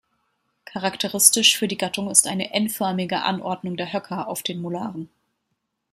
Charakteristisch für die Gattung ist eine N-förmige Anordnung der Höcker auf den Molaren.